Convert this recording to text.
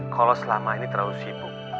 kalau selama ini terlalu sibuk